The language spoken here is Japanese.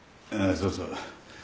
ああそうそう。